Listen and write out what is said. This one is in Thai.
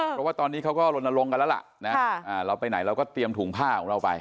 เพราะว่าตอนนี้เขาก็ลนลงกันแล้วล่ะนะเราไปไหนเราก็เตรียมถุงผ้าของเราไป